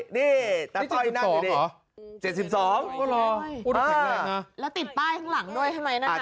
นี่ตาต้อยนั่นอยู่นี่๗๒แล้วติดป้ายข้างหลังด้วยทำไมน่ะ